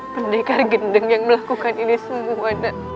pendekar gendeng yang melakukan ini semua